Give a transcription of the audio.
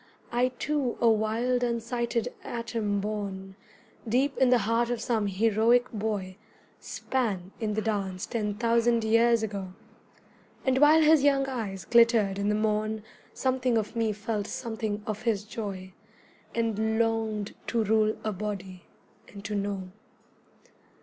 I too a wild unsighted atom borne Deep in the heart of some heroic boy Span in the dance ten thousand years ago, And while his young eyes glittered in the morn Something of me felt something of his joy, And longed to rule a body, and to know.